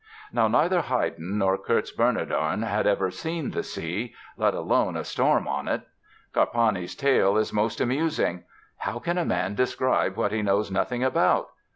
Now, neither Haydn nor Kurz Bernardon had ever seen the sea, let alone a storm on it! Carpani's tale is most amusing: "How can a man describe what he knows nothing about?